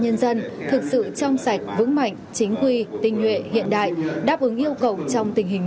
nhân dân thực sự trong sạch vững mạnh chính quy tinh nhuệ hiện đại đáp ứng yêu cầu trong tình hình